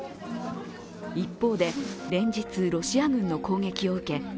一方で連日ロシア軍の攻撃を受け